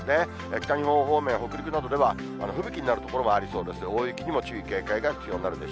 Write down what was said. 北日本方面、北陸などでは、吹雪になる所もありそうです。